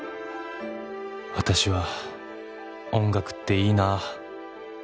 「私は音楽っていいなあ」